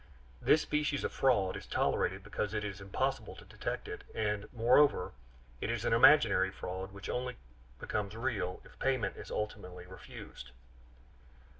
This species of fraud is tolerated because it is impossible to detect it, and, moreover, it is an imaginary fraud which only becomes real if payment is ultimately refused.